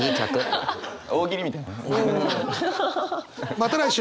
また来週。